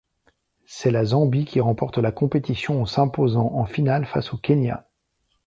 C'est la Zambie qui remporte la compétition en s'imposant en finale face au Kenya.